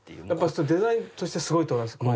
やっぱりデザインとしてすごいと思いますか？